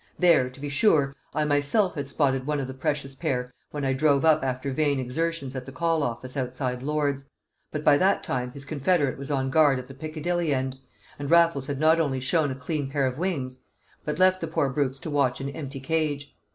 There, to be sure, I myself had spotted one of the precious pair when I drove up after vain exertions at the call office outside Lord's; but by that time his confederate was on guard at the Piccadilly end, and Raffles had not only shown a clean pair of wings, but left the poor brutes to watch an empty cage.